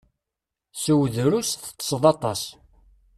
Sew drus, teṭṭseḍ aṭas.